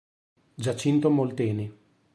Giacinto Molteni